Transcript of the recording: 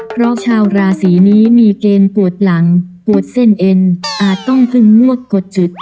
เพราะชาวราศีนี้มีเกณฑ์ปวดหลังปวดเส้นเอ็นอาจต้องพึ่งงวดกดจุด